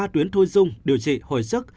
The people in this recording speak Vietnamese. ba tuyến thuê dung điều trị hồi sức